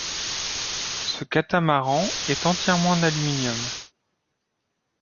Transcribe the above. Ce catamaran est entièrement en aluminium.